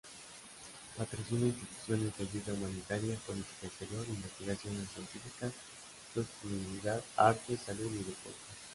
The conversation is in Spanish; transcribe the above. Patrocina instituciones de ayuda humanitaria, política exterior, investigación científica, sostenibilidad, arte, salud y deporte.